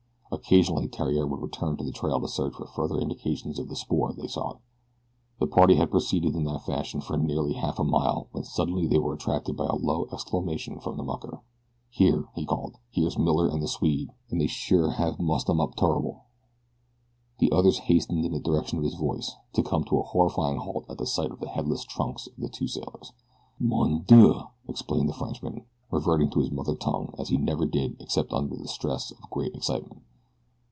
Occasionally Theriere would return to the trail to search for further indications of the spoor they sought. The party had proceeded in this fashion for nearly half a mile when suddenly they were attracted by a low exclamation from the mucker. "Here!" he called. "Here's Miller an' the Swede, an' they sure have mussed 'em up turrible." The others hastened in the direction of his voice, to come to a horrified halt at the sides of the headless trunks of the two sailors. "Mon Dieu!" exclaimed the Frenchman, reverting to his mother tongue as he never did except under the stress of great excitement.